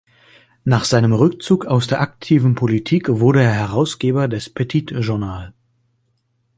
Nach seinem Rückzug aus der aktiven Politik wurde er Herausgeber des Petit Journal.